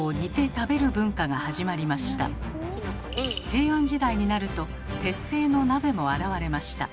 平安時代になると鉄製の鍋も現れました。